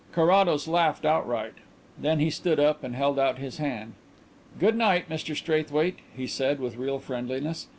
Carrados laughed outright. Then he stood up and held out his hand. "Good night, Mr Straithwaite," he said, with real friendliness.